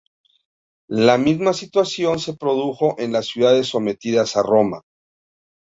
La misma situación se reprodujo en las ciudades sometidas a Roma.